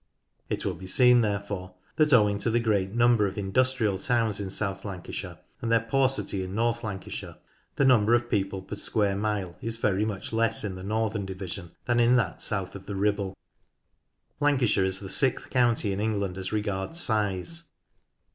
It will be seen, therefore, that owing to the sreat number of industrial towns in South Lancashire and their paucity in North Lancashire the number of people per square mile is very much less in the northern division than in that south of the Ribble. Lancashire is the sixth county in England as regards size.